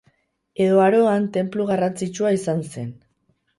Edo Aroan tenplu garrantzitsua izan zen.